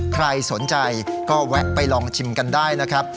ใครสนใจก็แวะไปลองชิมกันได้นะครับ